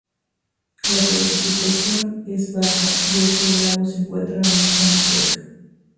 La precipitación es baja ya que el lago se encuentra en una zona seca.